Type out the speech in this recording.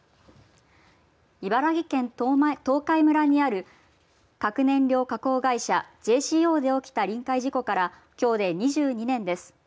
茨城県東海村にある核燃料加工会社ジェー・シー・オーで起きた臨界事故からきょうで２２年です。